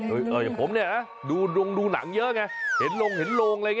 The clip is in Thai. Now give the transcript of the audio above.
เจอผมเนี่ยนะดูหนังเยอะแง